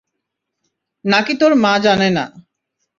না-কি তোর মা জানে না?